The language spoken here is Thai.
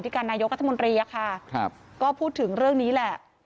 การนายกรัฐมนตรีอะค่ะครับก็พูดถึงเรื่องนี้แหละ